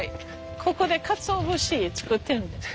ここでかつお節作ってるんですか？